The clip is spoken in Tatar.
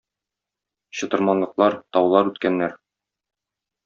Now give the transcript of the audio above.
Чытырманлыклар, таулар үткәннәр.